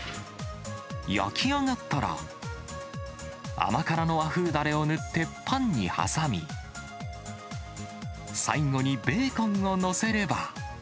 焼き上がったら、甘辛の和風だれを塗ってパンにはさみ、最後にベーコンを載せれば。